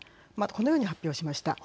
このように発表しました。